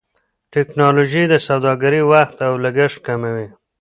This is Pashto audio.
ټکنالوژي د سوداګرۍ وخت او لګښت کموي.